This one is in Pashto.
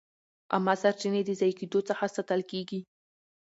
عامه سرچینې د ضایع کېدو څخه ساتل کېږي.